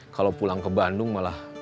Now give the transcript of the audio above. kalau pulang ke bandung malah